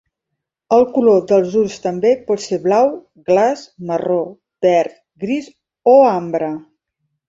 El color dels ulls també pot ser blau glaç, marró, verd, gris o ambre.